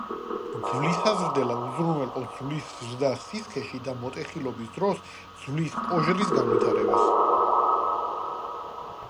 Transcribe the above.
ძვლისაზრდელა უზრუნველყოფს ძვლის ზრდას სისქეში და მოტეხილობის დროს ძვლის კოჟრის განვითარებას.